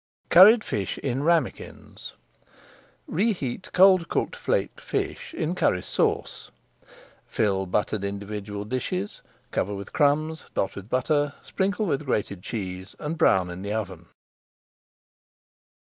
CURRIED FISH IN RAMEKINS Reheat cold cooked flaked fish in Curry Sauce, fill buttered individual dishes, cover with crumbs, dot with butter, sprinkle with grated cheese, and brown in the oven.